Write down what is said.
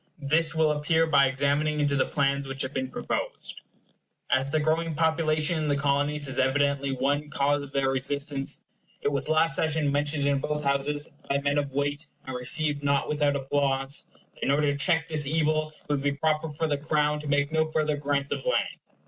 This will appear by examining into the plans which have been proposed. As the growing population in the Colonies is evidently one cause of their resistance, it was last session mentioned in both Houses, by men of weight, and received not without applause, that in order to check this evil it would be proper for the Crown to make no further grants of land.